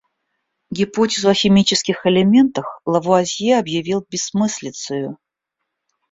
Гипотезу о химических элементах Лавуазье объявил бессмыслицею.